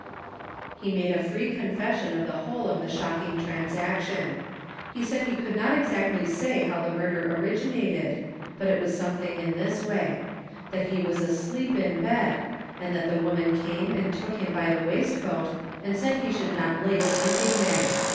He made a free confession of the whole of the shocking transaction. He said he could not exactly say how the murder originated, but it was something in this way: That he was asleep in bed, and that the woman came and took him by the waistcoat and said he should not lay sleeping there.